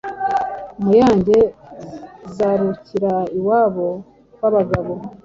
Muyange, zarukira iwabo wabagabo